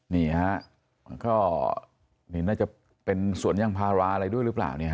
นี่ครับก็นี่น่าจะเป็นสวนยั่งพาราอะไรด้วยหรือเปล่า